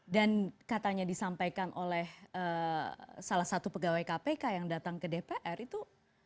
dan katanya disampaikan oleh salah satu pegawai kpk yang datang ke dpr itu